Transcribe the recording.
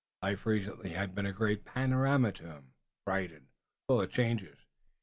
Life recently had been a great panorama to him, bright and full of changes.